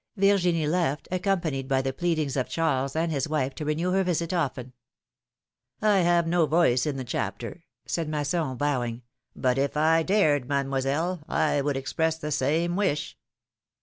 Virginie left, accompanied by the pleadings of Charles and his wife to renew her visit often. have no voice in the chapter," said Masson, bowing; but if I dared. Mademoiselle, I would express the same wish."